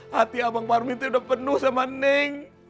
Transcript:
hati abang parmin tuh udah penuh sama neng